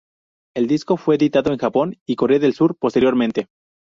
El disco fue editado en Japón y Corea del sur posteriormente.